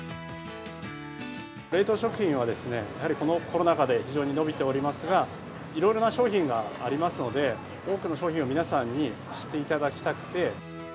冷凍食品は、やはりこのコロナ禍で、非常に伸びておりますが、いろいろな商品がありますので、多くの商品を皆さんに知っていただきたくて。